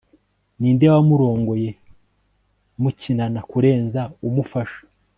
Ninde wamurongoye mukinana kurenza umufasha